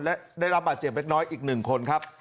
และได้รับบาดเจ็บเล็กน้อยอีก๑คนครับ